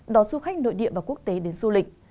đón du khách nội địa và quốc tế đến du lịch